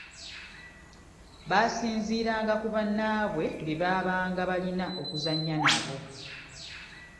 Baasinziiranga ku bannaabwe be baabanga balina okuzannya nabo.